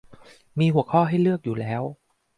มีหัวข้อให้เลือกอยู่แล้ว